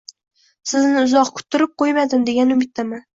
Sizni uzoq kuttirib qo'ymadim degan umiddaman.